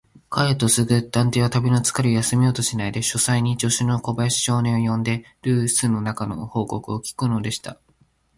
帰るとすぐ、探偵は旅のつかれを休めようともしないで、書斎に助手の小林少年を呼んで、るす中の報告を聞くのでした。